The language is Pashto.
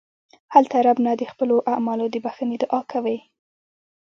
هلته رب نه د خپلو اعمالو د بښنې دعا کوئ.